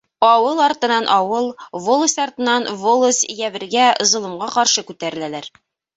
Ауыл артынан ауыл, волость артынан волость йәбергә, золомға ҡаршы күтәреләләр.